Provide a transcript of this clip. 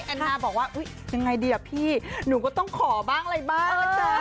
แอนนาบอกว่าอุ๊ยยังไงดีอ่ะพี่หนูก็ต้องขอบ้างอะไรบ้างนะจ๊ะ